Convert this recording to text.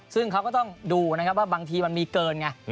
ซึ่งเขาก็ต้องดูนะครับว่าบางทีมันมีเกินไง